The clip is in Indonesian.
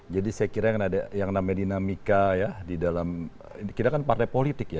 jadi saya kira yang ada yang namanya dinamika ya di dalam kita kan partai politik ya